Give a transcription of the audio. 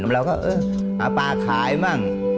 เราก็เออหาปลาขายบ้าง